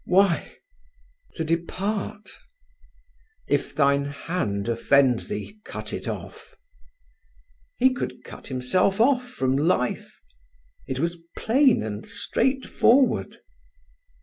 Why, to depart. "If thine hand offend thee, cut it off." He could cut himself off from life. It was plain and straightforward.